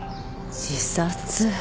自殺。